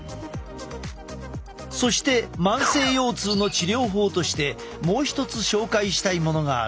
そして慢性腰痛の治療法としてもう一つ紹介したいものがある。